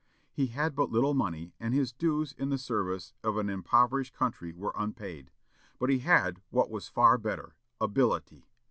He had but little money, and his dues in the service of an impoverished country were unpaid; but he had what was far better, ability.